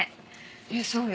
ええそうよ。